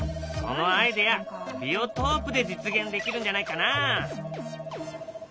そのアイデアビオトープで実現できるんじゃないかな。